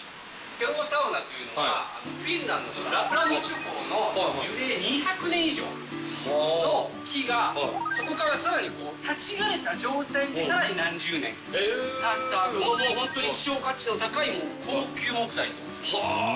ケロサウナというのは、フィンランドのラップランド地方の樹齢２００年以上の木が、そこからさらに立ち枯れた状態でさらに何十年たった、もう本当に希少価値の高い高級木材と。